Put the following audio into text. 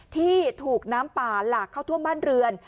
ที่ถูกน้ำป่าหลากเข้าท่วมบ้านเรือน